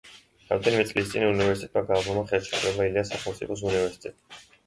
რამდენიმე წლის წინ უნივერსიტეტმა გააფორმა ხელშეკრულება ილიას სახელმწიფო უნივერსიტეტთან.